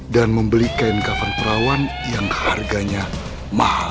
dan membeli kain kafan perawan yang harganya mahal